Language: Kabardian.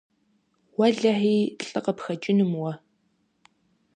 Уэлэхьи, лӀы къыпхэкӀынум уэ.